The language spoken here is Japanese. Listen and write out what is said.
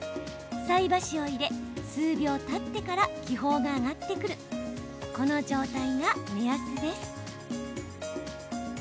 菜箸を入れ、数秒たってから気泡が上がってくるこの状態が目安です。